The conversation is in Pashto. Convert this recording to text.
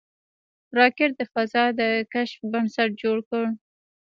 راکټ د فضا د کشف بنسټ جوړ کړ